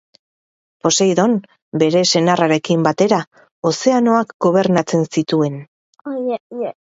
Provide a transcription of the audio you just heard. Poseidon bere senarrarekin batera, ozeanoak gobernatzen zituen.